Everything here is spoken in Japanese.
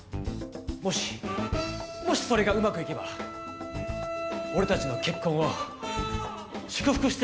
もしもしそれがうまくいけば俺たちの結婚を祝福してくれませんか？